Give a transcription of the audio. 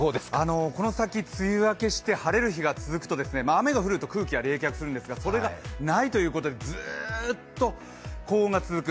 この先、梅雨明けして晴れる日が続くと雨が降ると空気が冷却するんですがそれがないということでずっと高温が続く。